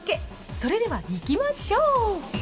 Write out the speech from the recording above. それではいきましょう。